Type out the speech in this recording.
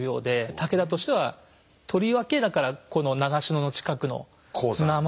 武田としてはとりわけだからこの長篠の近くの鉛の鉱山が欲しかった。